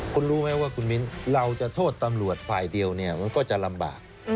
คุณรู้ไหมว่าคุณมิ้นเราจะโทษตำรวจฝ่ายเดียวเนี่ยมันก็จะลำบาก